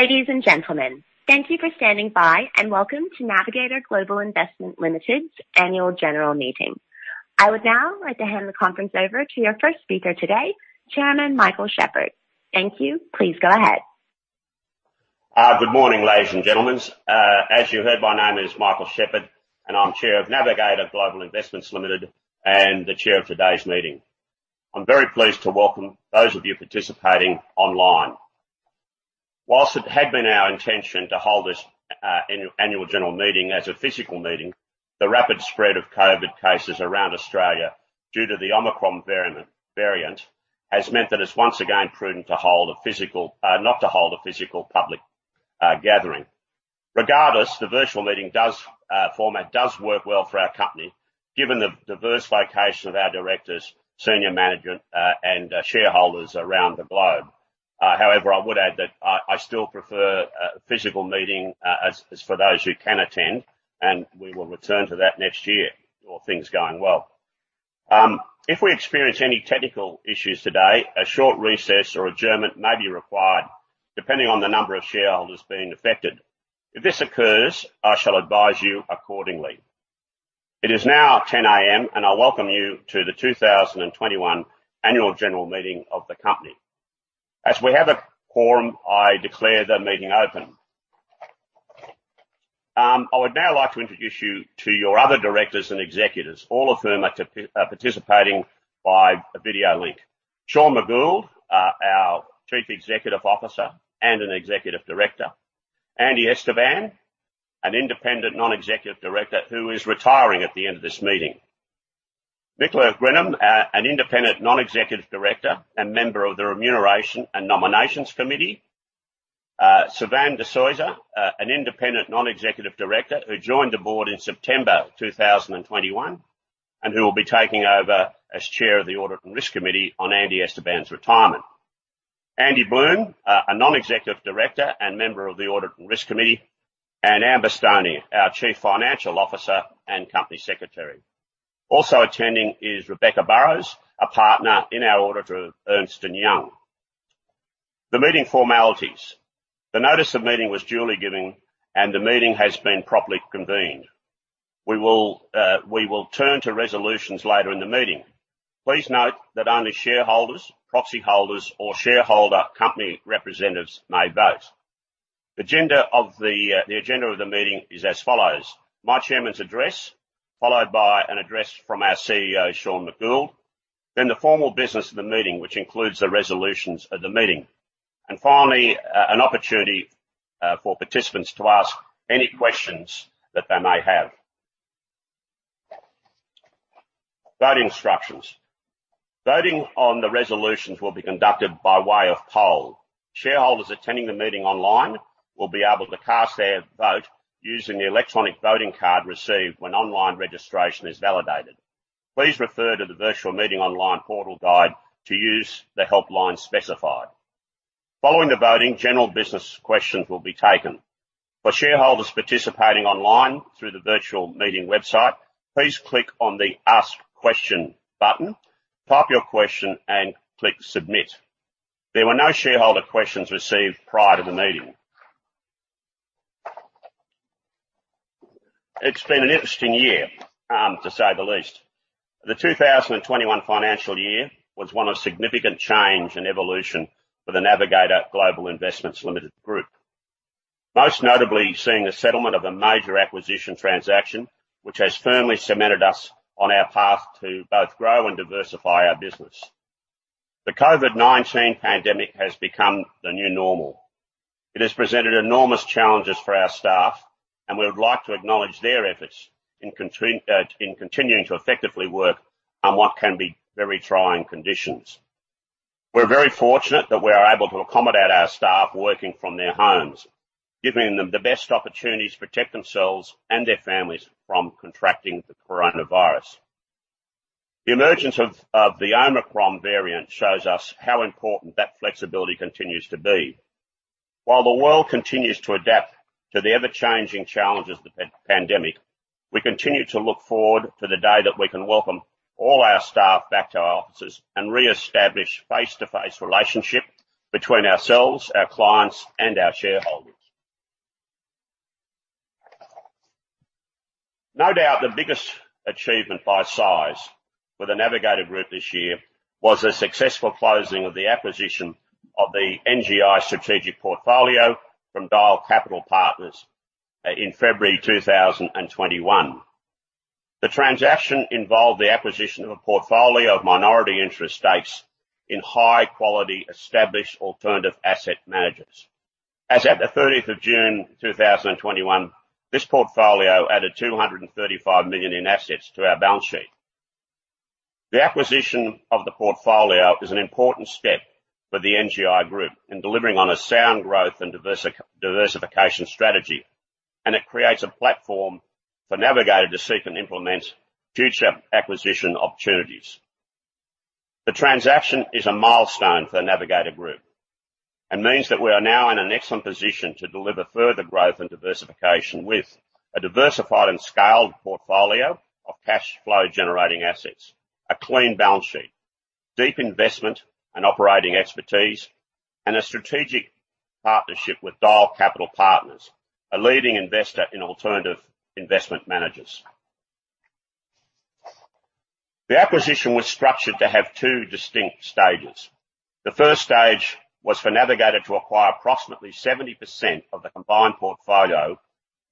Ladies and gentlemen, thank you for standing by, and welcome to Navigator Global Investments Limited's annual general meeting. I would now like to hand the conference over to your first speaker today, Chairman Michael Shepherd. Thank you. Please go ahead. Good morning, ladies and gentlemen. As you heard, my name is Michael Shepherd, and I'm chair of Navigator Global Investments Limited and the chair of today's meeting. I'm very pleased to welcome those of you participating online. While it had been our intention to hold this annual general meeting as a physical meeting, the rapid spread of COVID-19 cases around Australia due to the Omicron variant has meant that it's once again prudent to not hold a physical public gathering. Regardless, the virtual meeting format does work well for our company given the diverse location of our directors, senior management, and shareholders around the globe. However, I would add that I still prefer a physical meeting, as for those who can attend, and we will return to that next year, all things going well. If we experience any technical issues today, a short recess or adjournment may be required depending on the number of shareholders being affected. If this occurs, I shall advise you accordingly. It is now 10 A.M., and I welcome you to the 2021 annual general meeting of the company. As we have a quorum, I declare the meeting open. I would now like to introduce you to your other directors and executives, all of whom are participating by a video link. Sean McGould, our Chief Executive Officer and an Executive Director. Andy Esteban, an Independent Non-Executive Director who is retiring at the end of this meeting. Nicola Meaden Grenham, an Independent Non-Executive Director and member of the Remuneration and Nominations Committee. Suvan de Soysa, an Independent Non-Executive Director who joined the board in September 2021, and who will be taking over as chair of the Audit and Risk Committee on Andy Esteban's retirement. Andy Bloom, a Non-Executive Director and member of the Audit and Risk Committee, and Amber Stoney, our Chief Financial Officer and Company Secretary. Also attending is Rebecca Burrows, a partner in our auditor, Ernst & Young. The meeting formalities. The notice of meeting was duly given, and the meeting has been properly convened. We will turn to resolutions later in the meeting. Please note that only shareholders, proxy holders, or shareholder company representatives may vote. The agenda of the meeting is as follows: my chairman's address, followed by an address from our CEO, Sean McGould, then the formal business of the meeting, which includes the resolutions of the meeting. Finally, an opportunity for participants to ask any questions that they may have. Voting instructions. Voting on the resolutions will be conducted by way of poll. Shareholders attending the meeting online will be able to cast their vote using the electronic voting card received when online registration is validated. Please refer to the virtual meeting online portal guide to use the helpline specified. Following the voting, general business questions will be taken. For shareholders participating online through the virtual meeting website, please click on the Ask Question button, type your question, and click Submit. There were no shareholder questions received prior to the meeting. It's been an interesting year, to say the least. The 2021 financial year was one of significant change and evolution for the Navigator Global Investments Limited Group, most notably seeing the settlement of a major acquisition transaction, which has firmly cemented us on our path to both grow and diversify our business. The COVID-19 pandemic has become the new normal. It has presented enormous challenges for our staff, and we would like to acknowledge their efforts in continuing to effectively work on what can be very trying conditions. We're very fortunate that we are able to accommodate our staff working from their homes, giving them the best opportunities to protect themselves and their families from contracting the coronavirus. The emergence of the Omicron variant shows us how important that flexibility continues to be. While the world continues to adapt to the ever-changing challenges of the pandemic, we continue to look forward to the day that we can welcome all our staff back to our offices and reestablish face-to-face relationships between ourselves, our clients, and our shareholders. No doubt the biggest achievement by size for the Navigator Group this year was the successful closing of the acquisition of the NGI Strategic Portfolio from Dyal Capital Partners in February 2021. The transaction involved the acquisition of a portfolio of minority interest stakes in high quality established alternative asset managers. As at the June 30th, 2021, this portfolio added 235 million in assets to our balance sheet. The acquisition of the portfolio is an important step for the NGI Group in delivering on a sound growth and diversification strategy, and it creates a platform for Navigator to seek and implement future acquisition opportunities. The transaction is a milestone for the Navigator Group and means that we are now in an excellent position to deliver further growth and diversification with a diversified and scaled portfolio of cash flow generating assets, a clean balance sheet, deep investment and operating expertise, and a strategic partnership with Dyal Capital Partners, a leading investor in alternative investment managers. The acquisition was structured to have two distinct stages. The first stage was for Navigator to acquire approximately 70% of the combined portfolio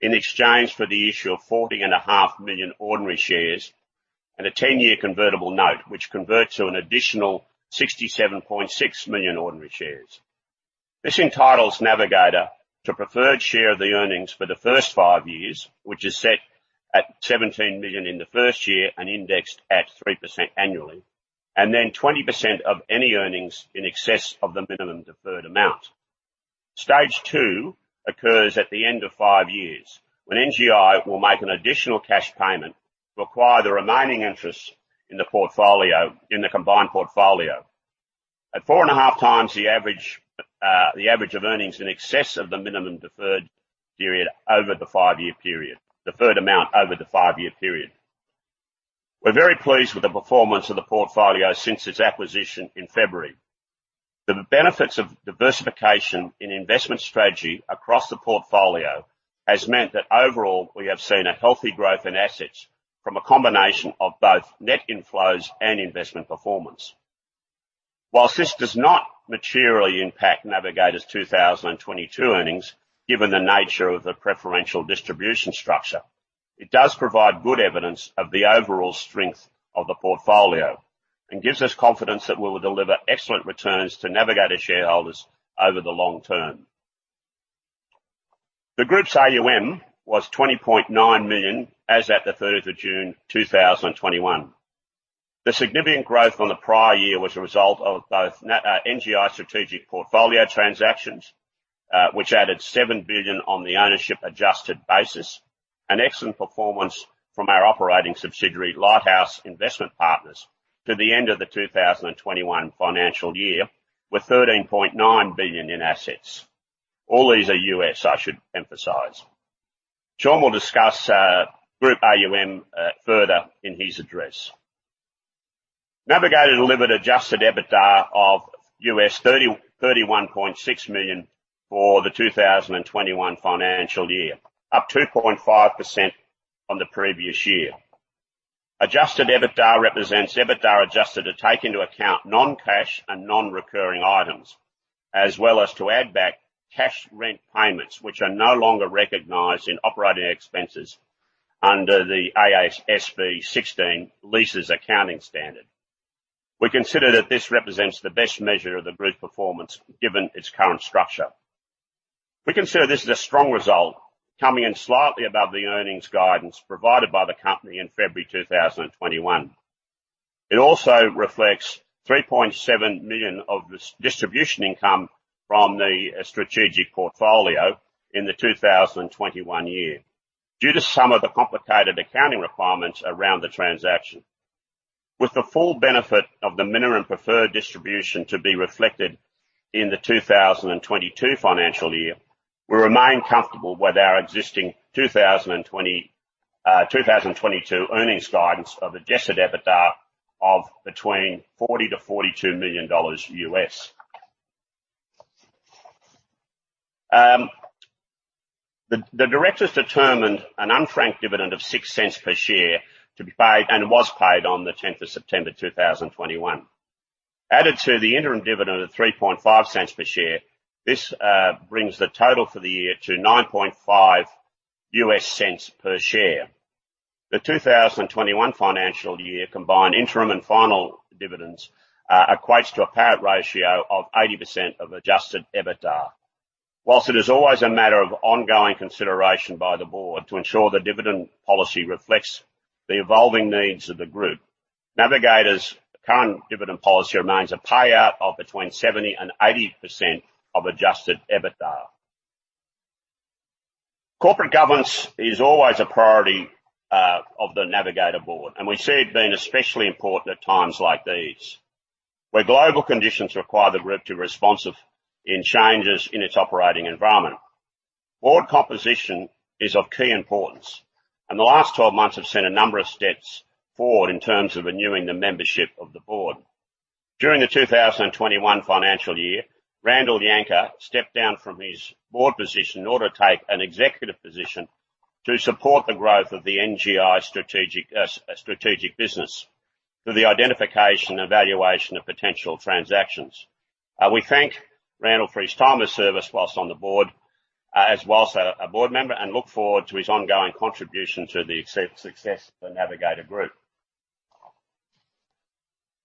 in exchange for the issue of 40.5 million ordinary shares, and a 10-year convertible note, which converts to an additional 67.6 million ordinary shares. This entitles Navigator to preferred share of the earnings for the first five years, which is set at 17 million in the first year and indexed at 3% annually. 20% of any earnings in excess of the minimum deferred amount. Stage two occurs at the end of five years, when NGI will make an additional cash payment to acquire the remaining interest in the portfolio, in the combined portfolio, at 4.5x the average of earnings in excess of the minimum deferred amount over the five-year period. We're very pleased with the performance of the portfolio since its acquisition in February. The benefits of diversification in investment strategy across the portfolio has meant that overall, we have seen a healthy growth in assets from a combination of both net inflows and investment performance. While this does not materially impact Navigator's 2022 earnings, given the nature of the preferential distribution structure, it does provide good evidence of the overall strength of the portfolio, and gives us confidence that we will deliver excellent returns to Navigator shareholders over the long term. The group's AUM was $20.9 million as at June 3rd, 2021. The significant growth on the prior year was a result of both NGI Strategic Portfolio transactions, which added $7 billion on the ownership adjusted basis. An excellent performance from our operating subsidiary, Lighthouse Investment Partners to the end of the 2021 financial year, with $13.9 billion in assets. All these are U.S., I should emphasize. Sean will discuss group AUM further in his address. Navigator delivered adjusted EBITDA of $31.6 million for the 2021 financial year, up 2.5% on the previous year. Adjusted EBITDA represents EBITDA adjusted to take into account non-cash and non-recurring items, as well as to add back cash rent payments, which are no longer recognized in operating expenses under the AASB 16 leases accounting standard. We consider that this represents the best measure of the group's performance given its current structure. We consider this as a strong result, coming in slightly above the earnings guidance provided by the company in February 2021. It also reflects $3.7 million of distribution income from the strategic portfolio in the 2021 year, due to some of the complicated accounting requirements around the transaction. With the full benefit of the minimum preferred distribution to be reflected in the 2022 financial year, we remain comfortable with our existing 2022 earnings guidance of adjusted EBITDA of $40 million-$42 million. The directors determined an unfranked dividend of $0.06 per share to be paid and was paid on September 10th, 2021. Added to the interim dividend of $0.035 per share, this brings the total for the year to $0.095 per share. The 2021 financial year combined interim and final dividends equates to a payout ratio of 80% of adjusted EBITDA. While it is always a matter of ongoing consideration by the board to ensure the dividend policy reflects the evolving needs of the group, Navigator's current dividend policy remains a payout of between 70% and 80% of adjusted EBITDA. Corporate governance is always a priority of the Navigator board, and we see it being especially important at times like these, where global conditions require the group to be responsive in changes in its operating environment. Board composition is of key importance, and the last 12 months have seen a number of steps forward in terms of renewing the membership of the board. During the 2021 financial year, Randall Yanker stepped down from his board position in order to take an executive position to support the growth of the NGI strategic business through the identification and evaluation of potential transactions. We thank Randall for his time of service while on the board, as a board member, and look forward to his ongoing contribution to the success of the Navigator Group.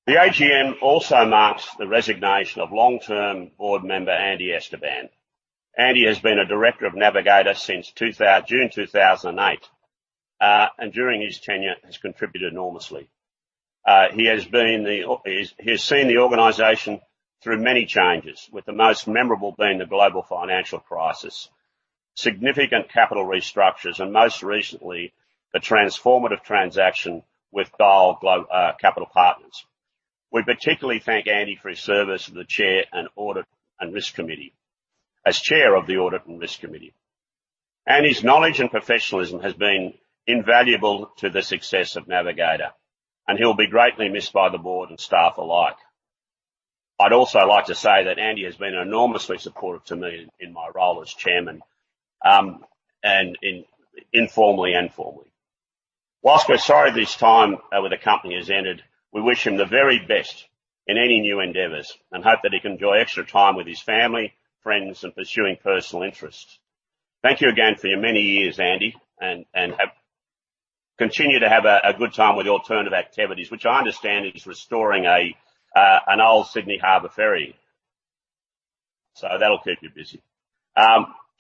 The AGM also marks the resignation of long-term board member, Andy Esteban. Andy has been a director of Navigator since June 2008. And during his tenure has contributed enormously. He has seen the organization through many changes, with the most memorable being the global financial crisis, significant capital restructures, and most recently, the transformative transaction with Dyal Capital Partners. We particularly thank Andy for his service as the Chair and Audit and Risk Committee. As chair of the Audit and Risk Committee, Andy's knowledge and professionalism has been invaluable to the success of Navigator, and he'll be greatly missed by the board and staff alike. I'd also like to say that Andy has been enormously supportive to me in my role as Chairman, and informally and formally. While we're sorry this time with the company has ended, we wish him the very best in any new endeavors, and hope that he can enjoy extra time with his family, friends, and pursuing personal interests. Thank you again for your many years, Andy, and continue to have a good time with your alternative activities, which I understand is restoring an old Sydney Harbor ferry. So that'll keep you busy.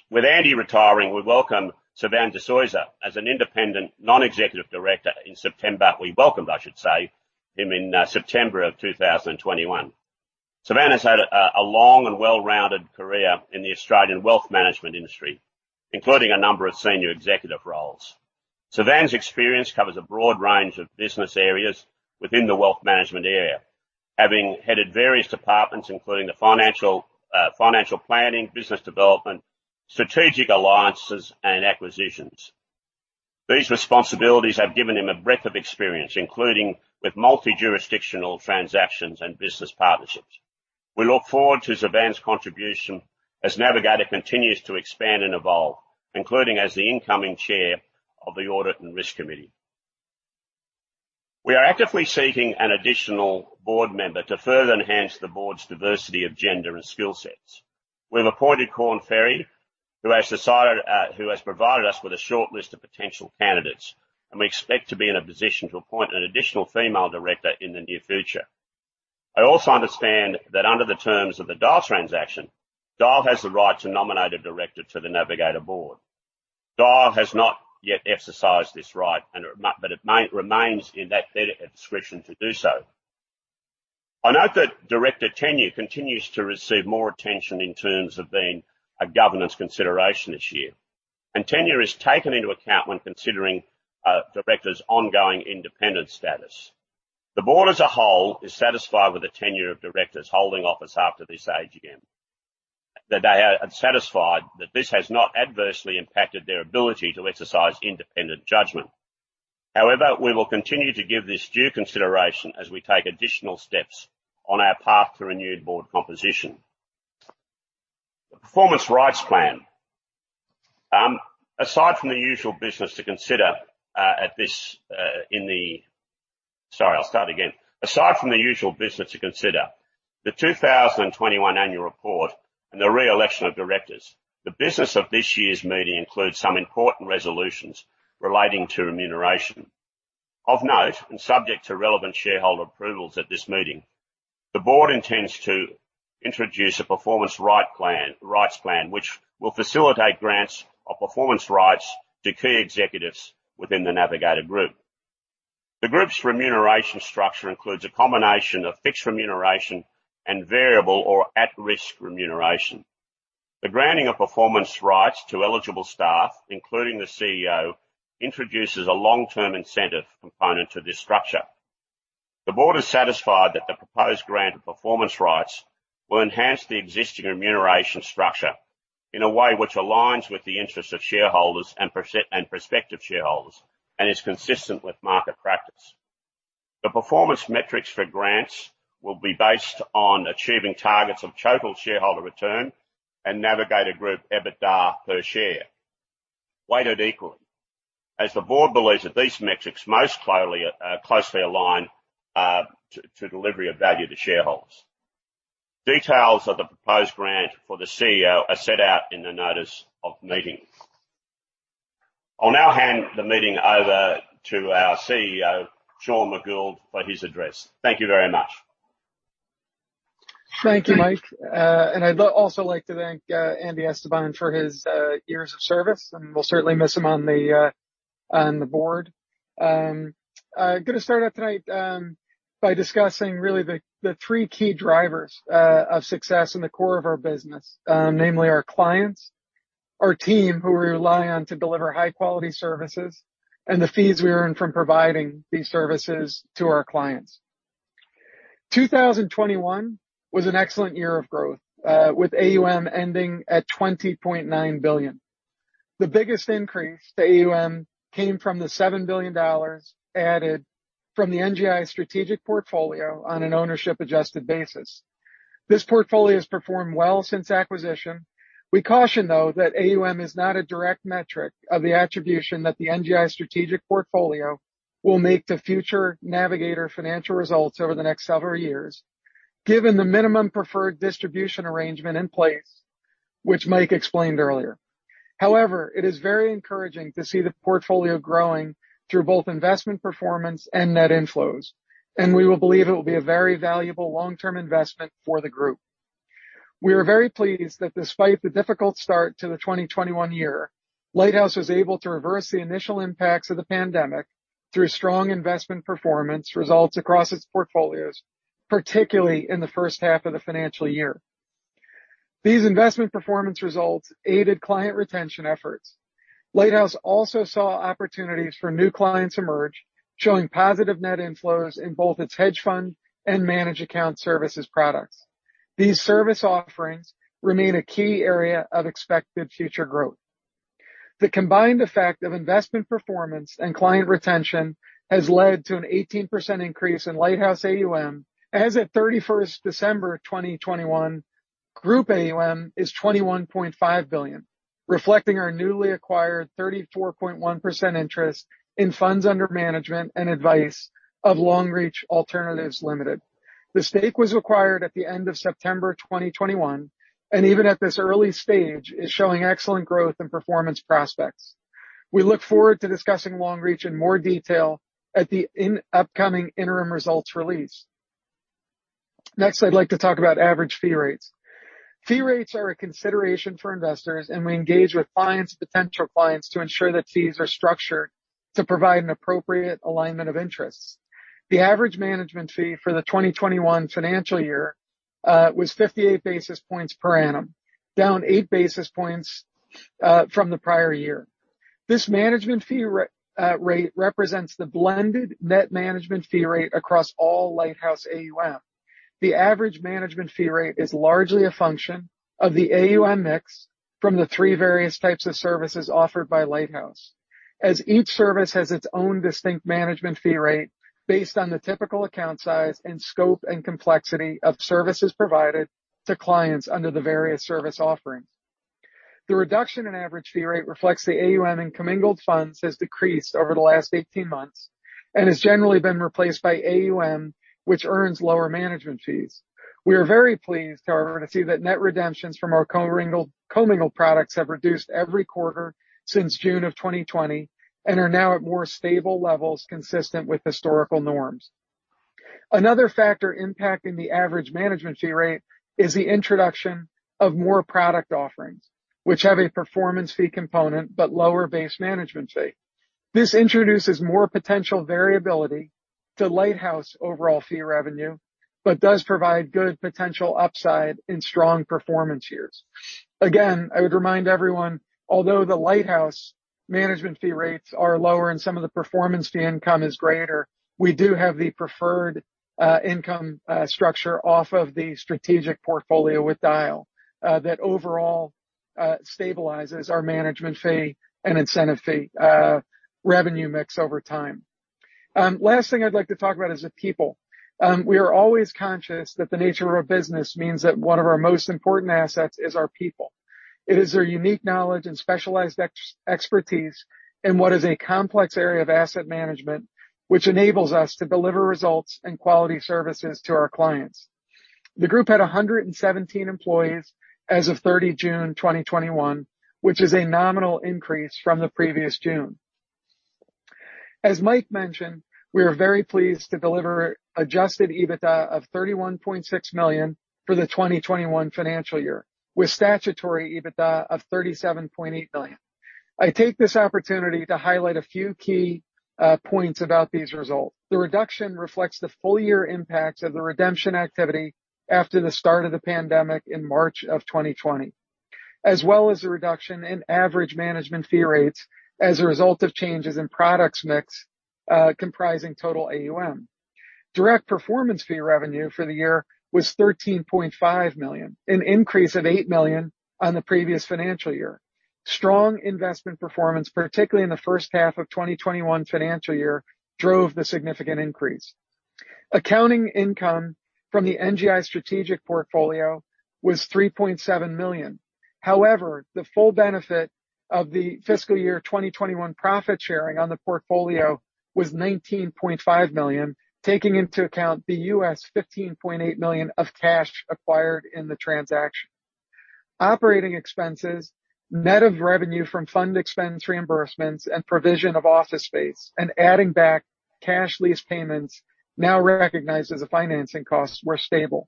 With Andy retiring, we welcome Suvan de Soysa as an Independent Non-Executive Director in September. We welcomed, I should say, him in September 2021. Suvan has had a long and well-rounded career in the Australian wealth management industry, including a number of senior executive roles. Suvan's experience covers a broad range of business areas within the wealth management area. Having headed various departments, including the financial planning, business development, strategic alliances, and acquisitions. These responsibilities have given him a breadth of experience, including with multi-jurisdictional transactions and business partnerships. We look forward to Suvan's contribution as Navigator continues to expand and evolve, including as the incoming chair of the Audit and Risk Committee. We are actively seeking an additional board member to further enhance the board's diversity of gender and skill sets. We've appointed Korn Ferry, who has provided us with a shortlist of potential candidates, and we expect to be in a position to appoint an additional female director in the near future. I also understand that under the terms of the Dyal transaction, Dyal has the right to nominate a director to the Navigator board. Dyal has not yet exercised this right, but it may remain in that letter of description to do so. I note that director tenure continues to receive more attention in terms of being a governance consideration this year, and tenure is taken into account when considering a director's ongoing independent status. The board as a whole is satisfied with the tenure of directors holding office after this AGM, that they are satisfied that this has not adversely impacted their ability to exercise independent judgment. However, we will continue to give this due consideration as we take additional steps on our path to renewed board composition. The Performance Rights Plan. Aside from the usual business to consider, the 2021 annual report and the re-election of directors, the business of this year's meeting includes some important resolutions relating to remuneration. Of note, and subject to relevant shareholder approvals at this meeting, the board intends to introduce a Performance Rights Plan, which will facilitate grants of performance rights to key executives within the Navigator Group. The group's remuneration structure includes a combination of fixed remuneration and variable or at-risk remuneration. The granting of performance rights to eligible staff, including the CEO, introduces a long-term incentive component to this structure. The board is satisfied that the proposed grant of performance rights will enhance the existing remuneration structure in a way which aligns with the interests of shareholders and prospective shareholders and is consistent with market practice. The performance metrics for grants will be based on achieving targets of total shareholder return and Navigator Group EBITDA per share, weighted equally, as the board believes that these metrics most closely align to delivery of value to shareholders. Details of the proposed grant for the CEO are set out in the notice of meeting. I'll now hand the meeting over to our CEO, Sean McGould, for his address. Thank you very much. Thank you, Mike. I'd also like to thank Andy Esteban for his years of service, and we'll certainly miss him on the board. Gonna start off tonight by discussing really the three key drivers of success in the core of our business. Namely our clients, our team, who we rely on to deliver high-quality services, and the fees we earn from providing these services to our clients. 2021 was an excellent year of growth, with AUM ending at $20.9 billion. The biggest increase to AUM came from the $7 billion added from the NGI Strategic Portfolio on an ownership adjusted basis. This portfolio has performed well since acquisition. We caution, though, that AUM is not a direct metric of the attribution that the NGI Strategic Portfolio will make to future Navigator financial results over the next several years, given the minimum preferred distribution arrangement in place, which Mike explained earlier. However, it is very encouraging to see the portfolio growing through both investment performance and net inflows, and we will believe it will be a very valuable long-term investment for the group. We are very pleased that despite the difficult start to the 2021 year, Lighthouse was able to reverse the initial impacts of the pandemic through strong investment performance results across its portfolios, particularly in the first half of the financial year. These investment performance results aided client retention efforts. Lighthouse also saw opportunities for new clients emerge, showing positive net inflows in both its hedge fund and managed account services products. These service offerings remain a key area of expected future growth. The combined effect of investment performance and client retention has led to an 18% increase in Lighthouse AUM. As December 31st, 2021, group AUM is $21.5 billion, reflecting our newly acquired 34.1% interest in funds under management and advice of Longreach Alternatives Limited. The stake was acquired at the end of September 2021, and even at this early stage, is showing excellent growth and performance prospects. We look forward to discussing Longreach in more detail at the upcoming interim results release. Next, I'd like to talk about average fee rates. Fee rates are a consideration for investors, and we engage with clients and potential clients to ensure that fees are structured to provide an appropriate alignment of interests. The average management fee for the 2021 financial year was 58 basis points per annum, down 8 basis points from the prior year. This management fee rate represents the blended net management fee rate across all Lighthouse AUM. The average management fee rate is largely a function of the AUM mix from the three various types of services offered by Lighthouse. As each service has its own distinct management fee rate based on the typical account size and scope and complexity of services provided to clients under the various service offerings. The reduction in average fee rate reflects the AUM in commingled funds has decreased over the last 18 months and has generally been replaced by AUM, which earns lower management fees. We are very pleased, however, to see that net redemptions from our commingled products have reduced every quarter since June 2020 and are now at more stable levels consistent with historical norms. Another factor impacting the average management fee rate is the introduction of more product offerings, which have a performance fee component but lower base management fee. This introduces more potential variability to Lighthouse overall fee revenue, but does provide good potential upside in strong performance years. Again, I would remind everyone, although the Lighthouse management fee rates are lower and some of the performance fee income is greater, we do have the preferred income structure off of the strategic portfolio with Dyal that overall stabilizes our management fee and incentive fee revenue mix over time. Last thing I'd like to talk about is the people. We are always conscious that the nature of our business means that one of our most important assets is our people. It is their unique knowledge and specialized expertise in what is a complex area of asset management, which enables us to deliver results and quality services to our clients. The group had 117 employees as of June 30, 2021, which is a nominal increase from the previous June. As Mike mentioned, we are very pleased to deliver adjusted EBITDA of 31.6 million for the 2021 financial year, with statutory EBITDA of 37.8 million. I take this opportunity to highlight a few key points about these results. The reduction reflects the full year impacts of the redemption activity after the start of the pandemic in March of 2020, as well as the reduction in average management fee rates as a result of changes in products mix comprising total AUM. Direct performance fee revenue for the year was 13.5 million, an increase of 8 million on the previous financial year. Strong investment performance, particularly in the first half of 2021 financial year, drove the significant increase. Accounting income from the NGI Strategic Portfolio was 3.7 million. However, the full benefit of the fiscal year 2021 profit sharing on the portfolio was $19.5 million, taking into account the U.S. $15.8 million of cash acquired in the transaction. Operating expenses, net of revenue from fund expense reimbursements and provision of office space, and adding back cash lease payments now recognized as a financing cost were stable,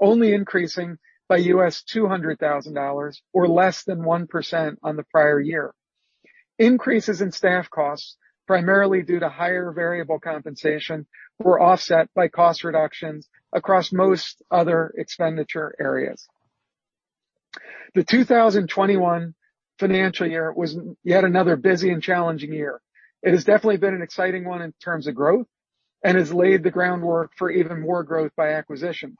only increasing by $200,000 or less than 1% on the prior year. Increases in staff costs, primarily due to higher variable compensation, were offset by cost reductions across most other expenditure areas. The 2021 financial year was yet another busy and challenging year. It has definitely been an exciting one in terms of growth and has laid the groundwork for even more growth by acquisition.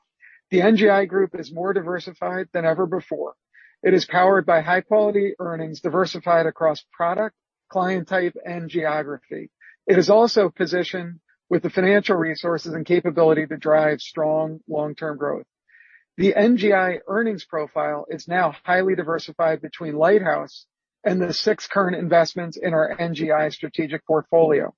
The NGI Group is more diversified than ever before. It is powered by high quality earnings diversified across product, client type, and geography. It is also positioned with the financial resources and capability to drive strong long-term growth. The NGI earnings profile is now highly diversified between Lighthouse and the six current investments in our NGI strategic portfolio.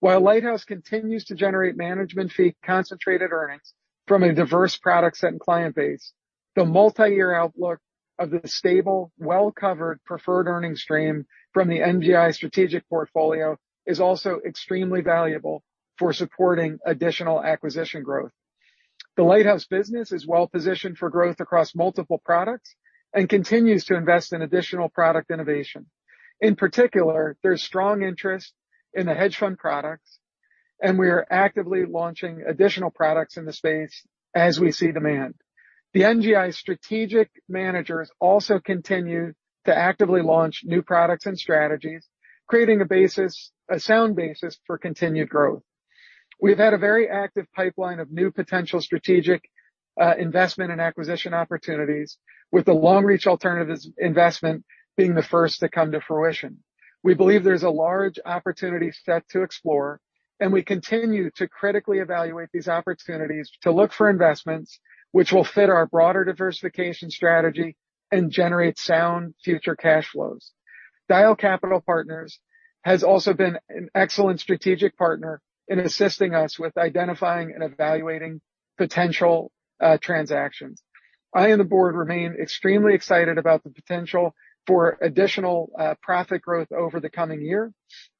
While Lighthouse continues to generate management fee concentrated earnings from a diverse product set and client base, the multi-year outlook of the stable, well-covered preferred earnings stream from the NGI strategic portfolio is also extremely valuable for supporting additional acquisition growth. The Lighthouse business is well-positioned for growth across multiple products and continues to invest in additional product innovation. In particular, there's strong interest in the hedge fund products, and we are actively launching additional products in this space as we see demand. The NGI strategic managers also continue to actively launch new products and strategies, creating a basis, a sound basis for continued growth. We've had a very active pipeline of new potential strategic investment and acquisition opportunities with the Longreach Alternatives investment being the first to come to fruition. We believe there's a large opportunity set to explore, and we continue to critically evaluate these opportunities to look for investments which will fit our broader diversification strategy and generate sound future cash flows. Dyal Capital Partners has also been an excellent strategic partner in assisting us with identifying and evaluating potential transactions. I and the board remain extremely excited about the potential for additional profit growth over the coming year.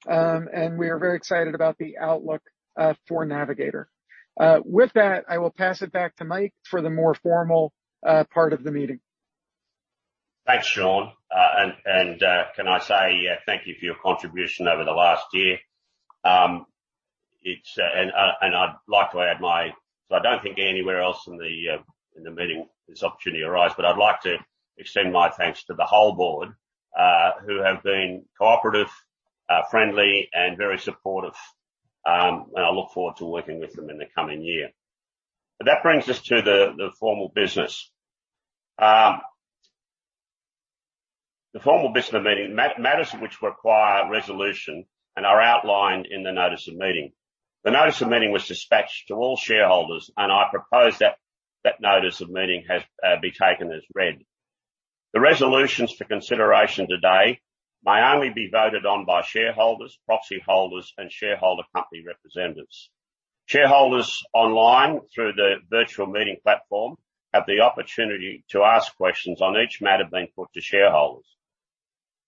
We are very excited about the outlook for Navigator. With that, I will pass it back to Mike for the more formal part of the meeting. Thanks, Sean. Can I say, thank you for your contribution over the last year. I'd like to add. I don't think anywhere else in the meeting this opportunity arise, but I'd like to extend my thanks to the whole board, who have been cooperative, friendly, and very supportive. I look forward to working with them in the coming year. That brings us to the formal business. The formal business of the meeting matters which require resolution and are outlined in the notice of meeting. The notice of meeting was dispatched to all shareholders, and I propose that notice of meeting has been taken as read. The resolutions for consideration today may only be voted on by shareholders, proxy holders, and shareholder company representatives. Shareholders online through the virtual meeting platform have the opportunity to ask questions on each matter being put to shareholders.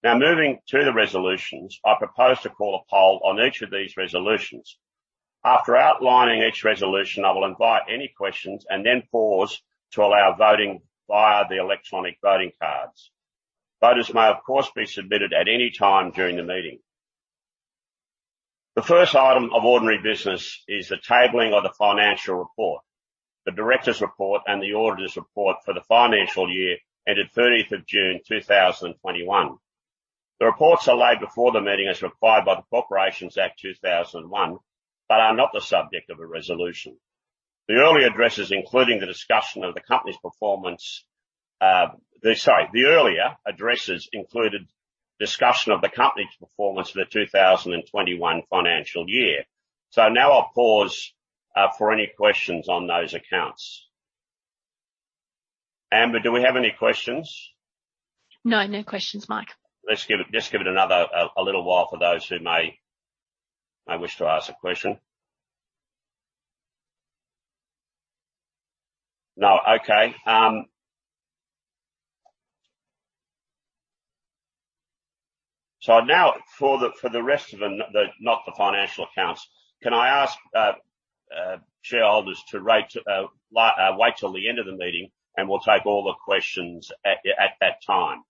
Now, moving to the resolutions, I propose to call a poll on each of these resolutions. After outlining each resolution, I will invite any questions and then pause to allow voting via the electronic voting cards. Voters may, of course, be submitted at any time during the meeting. The first item of ordinary business is the tabling of the financial report, the director's report, and the auditor's report for the financial year ended June 30th, 2021. The reports are laid before the meeting as required by the Corporations Act 2001, but are not the subject of a resolution. The opening addresses, including the discussion of the company's performance. The earlier addresses included discussion of the company's performance for the 2021 financial year. Now I'll pause for any questions on those accounts. Amber, do we have any questions? No. No questions, Mike. Let's give it another little while for those who may wish to ask a question. No. Okay. Now for the rest of the meeting, not the financial accounts, can I ask shareholders to wait till the end of the meeting and we'll take all the questions at that time?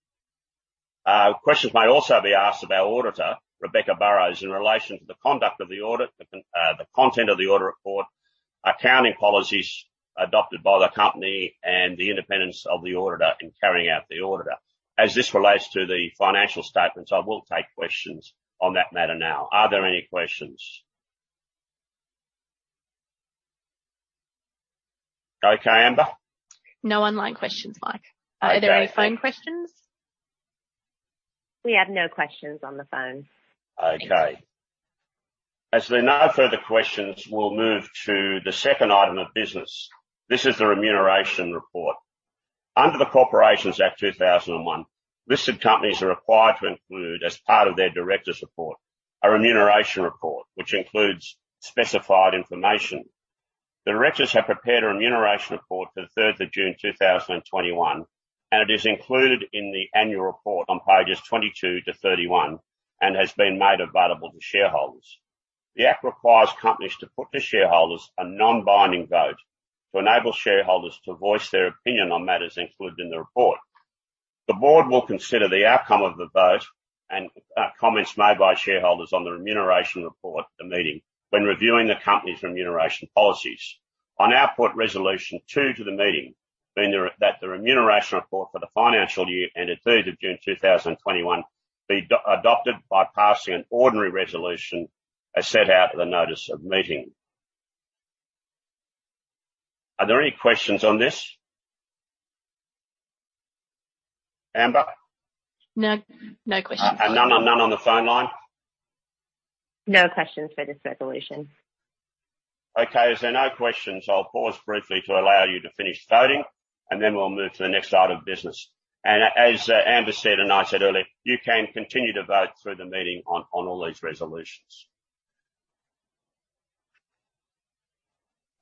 Questions may also be asked of our auditor, Rebecca Burrows, in relation to the conduct of the audit, the content of the audit report, accounting policies adopted by the company, and the independence of the auditor in carrying out the audit. As this relates to the financial statements, I will take questions on that matter now. Are there any questions? Okay, Amber. No online questions, Mike. Okay. Are there any phone questions? We have no questions on the phone. Okay. As there are no further questions, we'll move to the second item of business. This is the remuneration report. Under the Corporations Act 2001, listed companies are required to include, as part of their directors' report, a remuneration report which includes specified information. The directors have prepared a remuneration report for June 3rd, 2021, and it is included in the annual report on pages 22 to page 31 and has been made available to shareholders. The act requires companies to put to shareholders a non-binding vote to enable shareholders to voice their opinion on matters included in the report. The board will consider the outcome of the vote and comments made by shareholders on the remuneration report at the meeting when reviewing the company's remuneration policies. On our second resolution put to the meeting, being that the remuneration report for the financial year ended June 30, 2021 be adopted by passing an ordinary resolution as set out in the notice of meeting. Are there any questions on this? Amber? No. No questions. None on the phone line? No questions for this resolution. Okay. As there are no questions, I'll pause briefly to allow you to finish voting, and then we'll move to the next item of business. Amber said and I said earlier, you can continue to vote through the meeting on all these resolutions.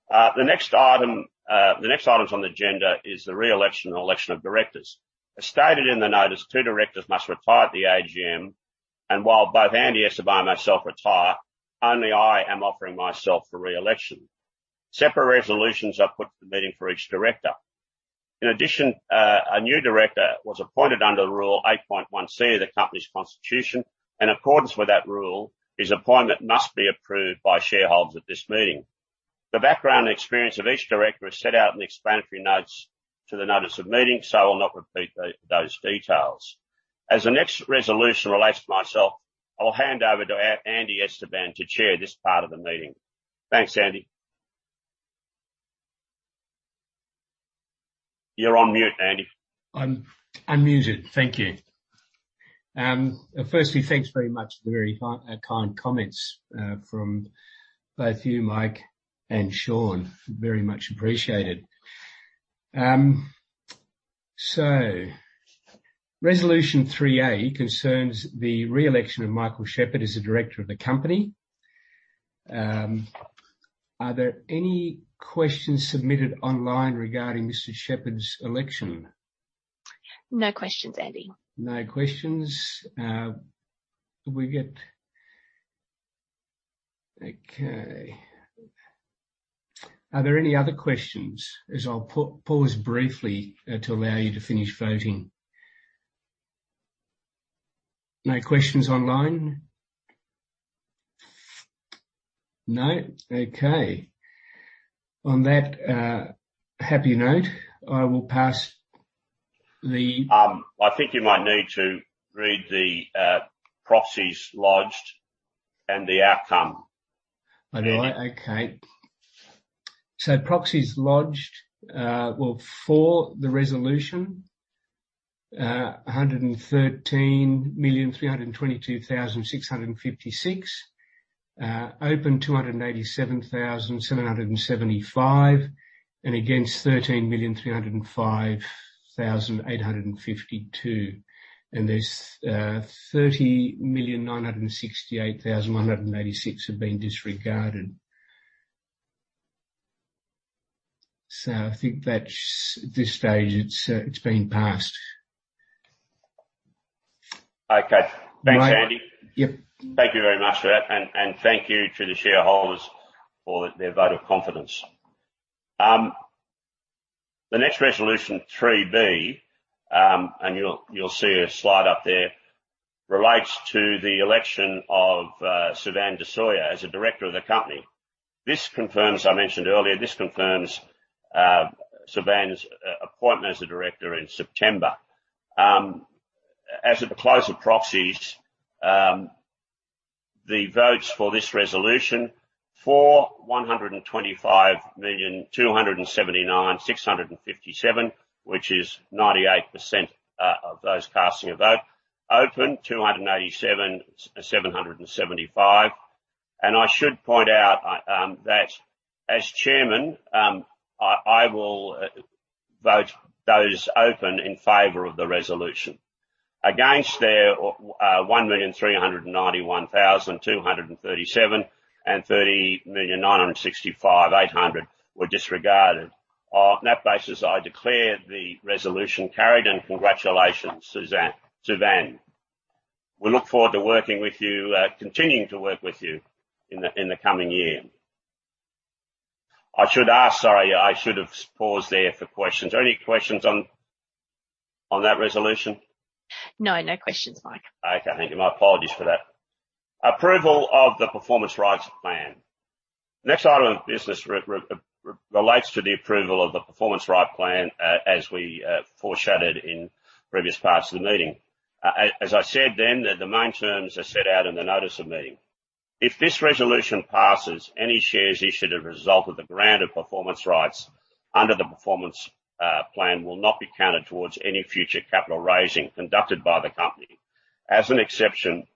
The next items on the agenda is the re-election and election of directors. As stated in the notice, two directors must retire at the AGM, and while both Andy Esteban and myself retire, only I am offering myself for re-election. Separate resolutions are put to the meeting for each director. In addition, a new director was appointed under rule 8.1C of the company's constitution. In accordance with that rule, his appointment must be approved by shareholders at this meeting. The background experience of each director is set out in the explanatory notes to the notice of meeting, so I will not repeat those details. As the next resolution relates to myself, I'll hand over to Andy Esteban to chair this part of the meeting. Thanks, Andy. You're on mute, Andy. I'm unmuted. Thank you. Firstly, thanks very much for the very kind comments from both you, Mike and Sean. Very much appreciated. So Resolution 3A concerns the re-election of Michael Shepherd as a director of the company. Are there any questions submitted online regarding Mr. Shepherd's election? No questions, Andy. Did we get okay. Are there any other questions as I'll pause briefly to allow you to finish voting? No questions online? No? Okay. On that happy note, I will pass the- I think you might need to read the proxies lodged and the outcome. Proxies lodged, well, for the resolution, 113,322,656. Open 287,775. Against 13,305,852. There's 30,968,186 have been disregarded. I think that's at this stage, it's been passed. Okay. Thanks, Andy. Yep. Thank you very much for that. Thank you to the shareholders for their vote of confidence. The next Resolution 3B, and you'll see a slide up there, relates to the election of Suvan de Soysa as a director of the company. This confirms, I mentioned earlier, Suvan's appointment as a director in September. As at the close of proxies, the votes for this resolution: for 125,279,657, which is 98% of those casting a vote. Open, 287,775. I should point out that as Chairman, I will vote those open in favor of the resolution. Against, there were 1,391,237, and 30,965,800 were disregarded. On that basis, I declare the resolution carried, and congratulations Suvan. We look forward to working with you, continuing to work with you in the coming year. Sorry, I should have paused there for questions. Are there any questions on that resolution? No. No questions, Mike. Okay. Thank you. My apologies for that. Approval of the Performance Rights Plan. Next item of business relates to the approval of the Performance Rights Plan as we foreshadowed in previous parts of the meeting. As I said then, the main terms are set out in the notice of meeting. If this resolution passes, any shares issued as a result of the grant of performance rights under the Performance Rights Plan will not be counted towards any future capital raising conducted by the company as an exception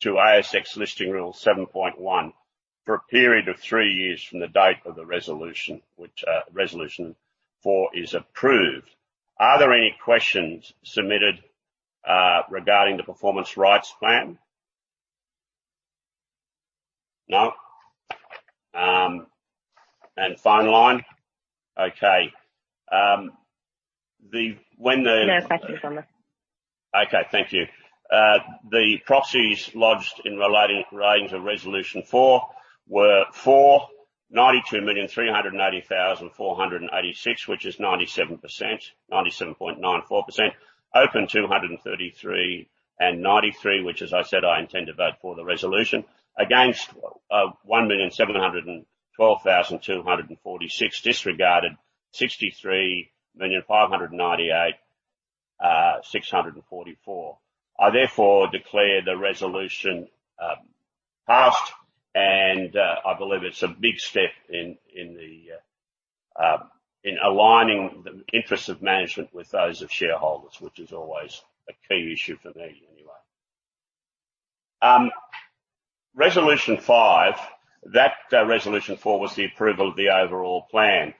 to ASX Listing Rule 7.1 for a period of three years from the date of the resolution, which resolution is approved. Are there any questions submitted regarding the Performance Rights Plan? No? And phone line? Okay. When the- No questions on this. Okay. Thank you. The proxies lodged in relating to Resolution 4 were for 92,380,486, which is 97%, 97.94%. Open, 233 and 93, which as I said, I intend to vote for the resolution. Against, 1,712,246. Disregarded, 63,598,644. I therefore declare the resolution passed, and I believe it's a big step in aligning the interests of management with those of shareholders, which is always a key issue for me anyway. Resolution 5. That Resolution 4 was the approval of the overall plan.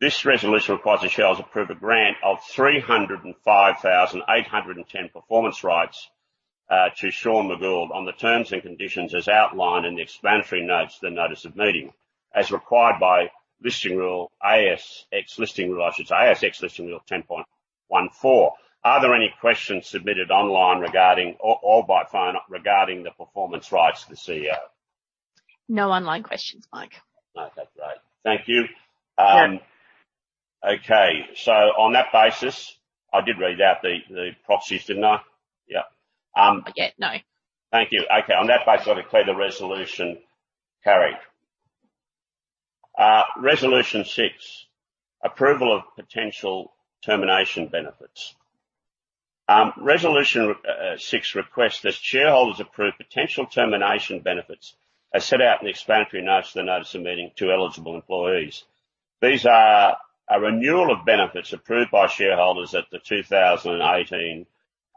This resolution requires the shareholders approve a grant of 305,810 Performance Rights to Sean McGould on the terms and conditions as outlined in the explanatory notes, the notice of meeting, as required by ASX Listing Rule 10.14. Are there any questions submitted online or by phone regarding the Performance Rights to the CEO? No online questions, Mike. No. That's right. Thank you. Yeah. Okay. On that basis, I did read out the proxies, didn't I? Yeah. Not yet, no. Thank you. Okay. On that basis, I declare the resolution carried. Resolution 6: Approval of potential termination benefits. Resolution six requests that shareholders approve potential termination benefits as set out in the explanatory notes to the notice of meeting to eligible employees. These are a renewal of benefits approved by shareholders at the 2018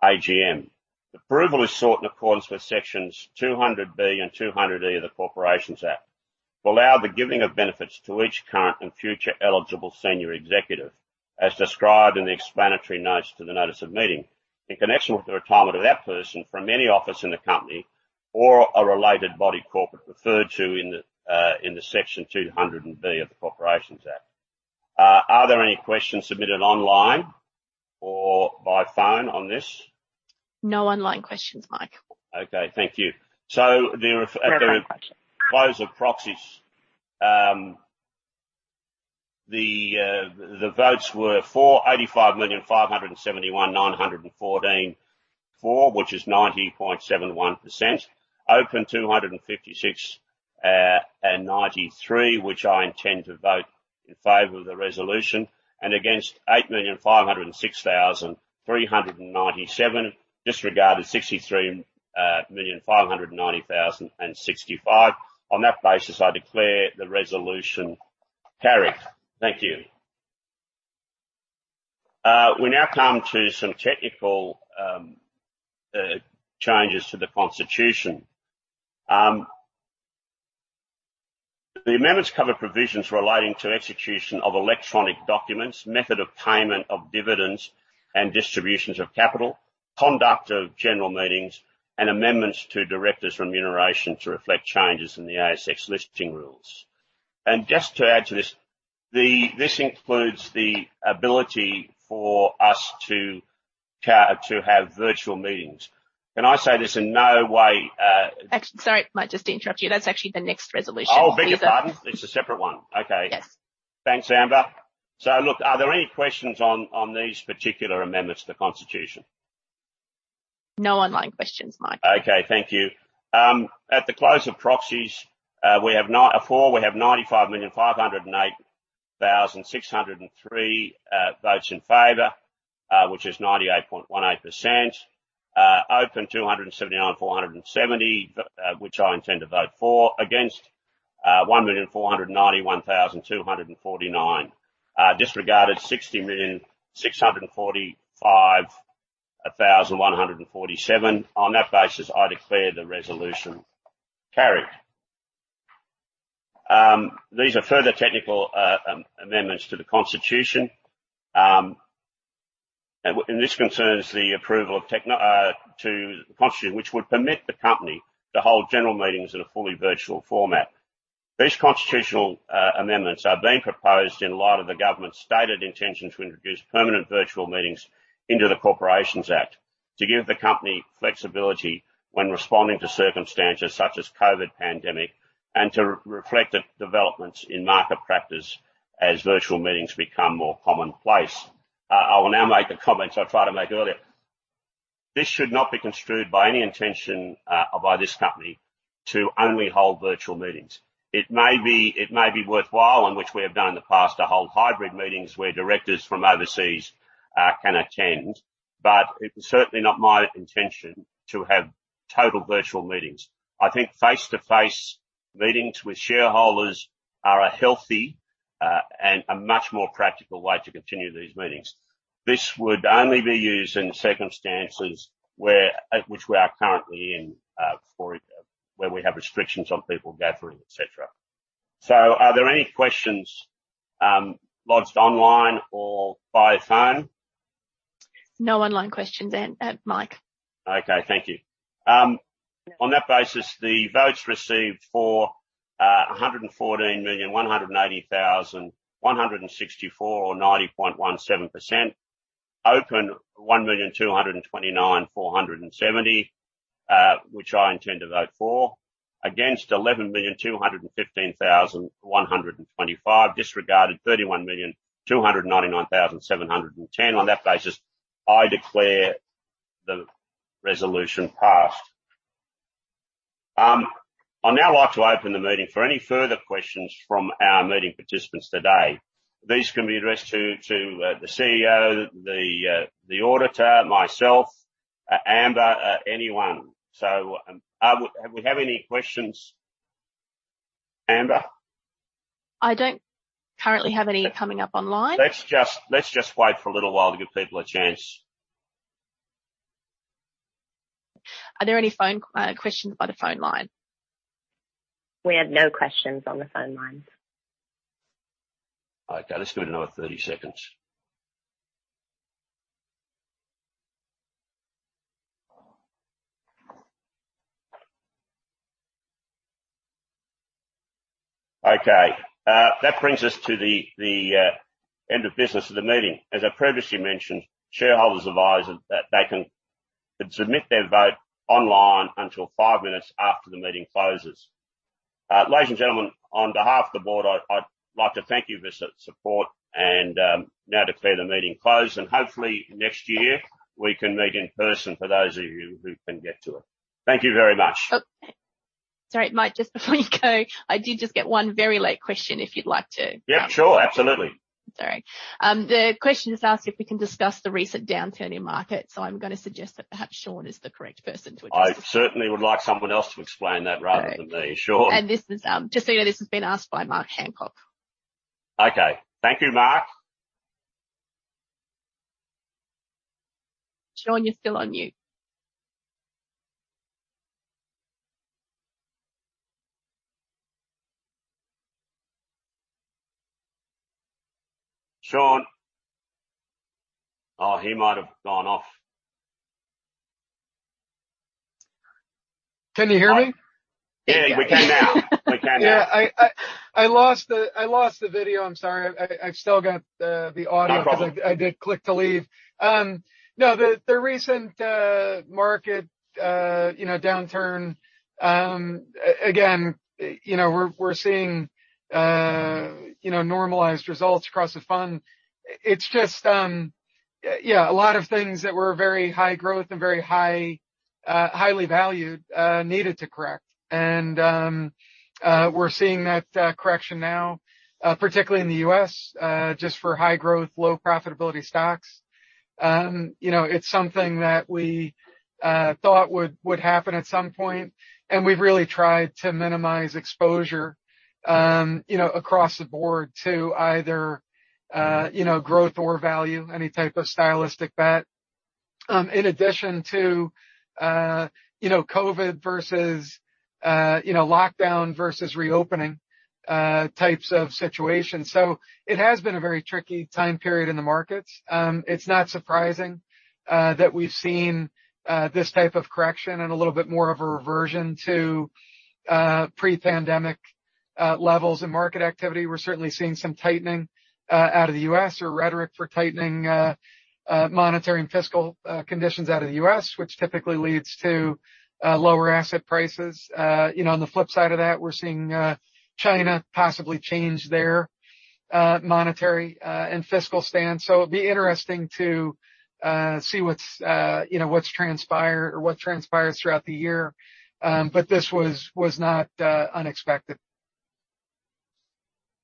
AGM. Approval is sought in accordance with Sections 200B and 200E of the Corporations Act to allow the giving of benefits to each current and future eligible senior executive, as described in the explanatory notes to the notice of meeting, in connection with the retirement of that person from any office in the company or a related body corporate referred to in Section 200B of the Corporations Act. Are there any questions submitted online or by phone on this? No online questions, Mike. Okay. Thank you. There are no questions. At the close of proxies, the votes were for: 85,571,914, which is 90.71%; open, 256,093, which I intend to vote in favor of the resolution; and against, 8,506,397; disregarded, 63,590,065. On that basis, I declare the resolution carried. Thank you. We now come to some technical changes to the constitution. The amendments cover provisions relating to execution of electronic documents, method of payment of dividends and distributions of capital, conduct of general meetings, and amendments to directors' remuneration to reflect changes in the ASX listing rules. Just to add to this includes the ability for us to have virtual meetings. Can I say this in no way? Sorry, Mike, just to interrupt you. That's actually the next resolution. Oh, beg your pardon. It's a separate one. Okay. Yes. Thanks, Amber. Look, are there any questions on these particular amendments to the constitution? No online questions, Mike. Okay. Thank you. At the close of proxies, we have 95,508,603 votes in favor, which is 98.18%. Open, 279,470, which I intend to vote for. Against, 1,491,249. Disregarded, 60,645,147. On that basis, I declare the resolution carried. These are further technical amendments to the constitution. This concerns the approval of technical amendments to the constitution, which would permit the company to hold general meetings in a fully virtual format. These constitutional amendments are being proposed in light of the government's stated intention to introduce permanent virtual meetings into the Corporations Act to give the company flexibility when responding to circumstances such as COVID pandemic and to reflect the developments in market practice as virtual meetings become more commonplace. I will now make the comments I tried to make earlier. This should not be construed by any intention by this company to only hold virtual meetings. It may be worthwhile, and which we have done in the past, to hold hybrid meetings where directors from overseas can attend, but it was certainly not my intention to have total virtual meetings. I think face-to-face meetings with shareholders are a healthy and a much more practical way to continue these meetings. This would only be used in circumstances which we are currently in, where we have restrictions on people gathering, et cetera. Are there any questions lodged online or by phone? No online questions, Mike. Okay. Thank you. On that basis, the votes received for 114,180,164 or 90.17%. Open, 1,229,470, which I intend to vote for. Against, 11,215,125. Disregarded, 31,299,710. On that basis, I declare the resolution passed. I'd now like to open the meeting for any further questions from our meeting participants today. These can be addressed to the CEO, the auditor, myself, Amber, anyone. Do we have any questions, Amber? I don't currently have any coming up online. Let's just wait for a little while to give people a chance. Are there any phone questions by the phone line? We have no questions on the phone lines. Okay. Let's do another 30 seconds. Okay. That brings us to the end of business of the meeting. As I previously mentioned, shareholders are advised that they can submit their vote online until 5 minutes after the meeting closes. Ladies and gentlemen, on behalf of the board, I'd like to thank you for support and now declare the meeting closed. Hopefully next year, we can meet in person for those of you who can get to it. Thank you very much. Oh. Sorry, Mike, just before you go, I did just get one very late question if you'd like to- Yeah, sure. Absolutely. Sorry. The question has asked if we can discuss the recent downturn in markets. I'm gonna suggest that perhaps Sean is the correct person to address. I certainly would like someone else to explain that rather than me. All right. Sean. This is, just so you know, this has been asked by Mark Hancock. Okay. Thank you, Mark. Sean, you're still on mute. Sean? Oh, he might have gone off. Can you hear me? Yeah, we can now. Yeah, I lost the video. I'm sorry. I've still got the audio. No problem. 'Cause I did click to leave. No, the recent market, you know, downturn, again, you know, we're seeing, you know, normalized results across the fund. It's just, yeah, a lot of things that were very high growth and very high, highly valued, needed to correct. We're seeing that correction now, particularly in the U.S., just for high growth, low profitability stocks. You know, it's something that we thought would happen at some point, and we've really tried to minimize exposure, you know, across the board to either, you know, growth or value, any type of stylistic bet. In addition to, you know, COVID versus, you know, lockdown versus reopening, types of situations. It has been a very tricky time period in the markets. It's not surprising that we've seen this type of correction and a little bit more of a reversion to pre-pandemic levels of market activity. We're certainly seeing some tightening out of the U.S. or rhetoric for tightening monetary and fiscal conditions out of the U.S., which typically leads to lower asset prices. You know, on the flip side of that, we're seeing China possibly change their monetary and fiscal stance. It'll be interesting to see what's you know, what's transpire or what transpires throughout the year. This was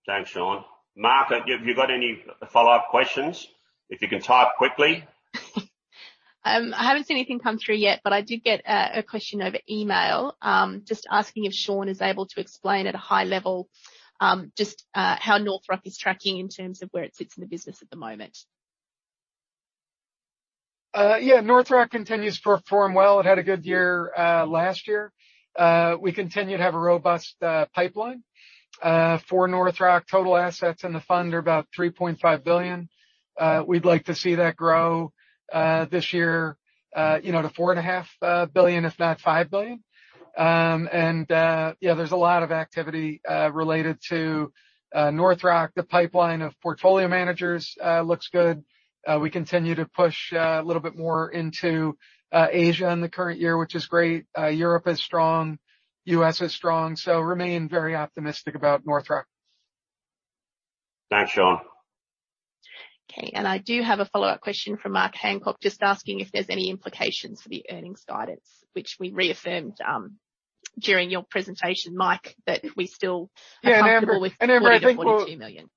not unexpected. Thanks, Sean. Mark, have you got any follow-up questions? If you can type quickly. I haven't seen anything come through yet, but I did get a question over email, just asking if Sean is able to explain at a high level, just how North Rock is tracking in terms of where it sits in the business at the moment. North Rock continues to perform well. It had a good year last year. We continue to have a robust pipeline. For North Rock, total assets in the fund are about $3.5 billion. We'd like to see that grow this year, you know, to $4.5 billion, if not $5 billion. There's a lot of activity related to North Rock. The pipeline of portfolio managers looks good. We continue to push a little bit more into Asia in the current year, which is great. Europe is strong, U.S. is strong, so remain very optimistic about North Rock. Thanks, Sean. Okay. I do have a follow-up question from Mark Hancock, just asking if there's any implications for the earnings guidance, which we reaffirmed, during your presentation, Mike, that we still- Yeah. Amber- ...are comfortable with 40 million-42 million.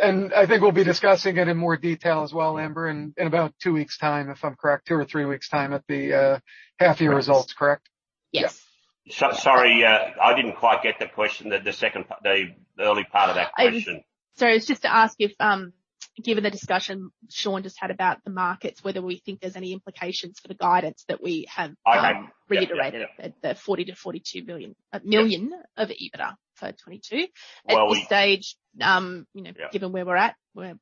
Amber, I think we'll be discussing it in more detail as well, Amber, in about two weeks time, if I'm correct. Two or three weeks time at the half year results, correct? Yes. Sorry, I didn't quite get the question, the second part, the early part of that question. It's just to ask if, given the discussion Sean just had about the markets, whether we think there's any implications for the guidance that we have- I, um- ...reiterated- Yeah. Yeah. Yeah. ...the $40 billion-$42 billion- Yeah. ...of EBITDA for 2022. Well, we- At this stage, you know. Yeah.... given where we're at,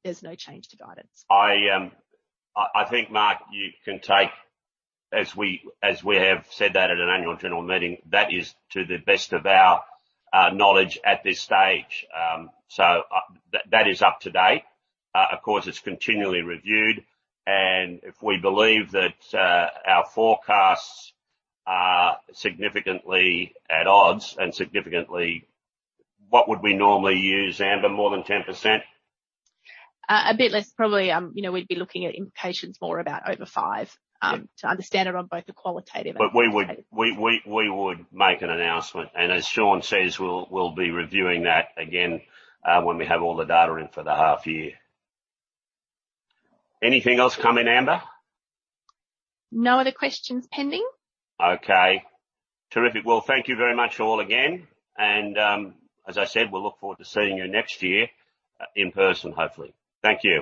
there's no change to guidance. I think, Mark, you can take, as we have said that at an annual general meeting, that is to the best of our knowledge at this stage. That is up to date. Of course, it's continually reviewed, and if we believe that our forecasts are significantly at odds and significantly. What would we normally use, Amber? More than 10%? A bit less probably. You know, we'd be looking at implications more about over five- Yeah. ...to understand it on both the qualitative and quantitative. We would make an announcement. As Sean says, we'll be reviewing that again when we have all the data in for the half year. Anything else come in, Amber? No other questions pending. Okay. Terrific. Well, thank you very much all again, and, as I said, we'll look forward to seeing you next year in person, hopefully. Thank you.